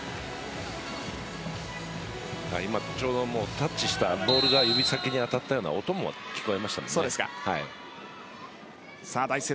タッチしたボールが指先に当たったような音も聞こえましたもんね。